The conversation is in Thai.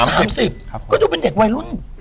๓๐ปีก็จะเป็นเด็กวัยรุ่น